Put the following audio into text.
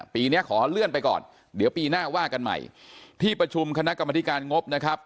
ปีนี้ขอเลื่อนไปก่อนเดี๋ยวปีหน้าว่ากันใหม่ที่ประชุมคณะกรรมธิการงบนะครับ